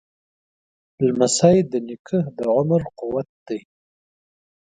لمسی د نیکه د عمر قوت دی.